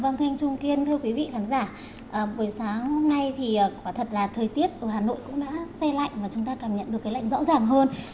vâng thưa anh trung kiên thưa quý vị khán giả buổi sáng hôm nay thì quả thật là thời tiết ở hà nội cũng đã say lạnh và chúng ta cảm nhận được cái lạnh rõ ràng hơn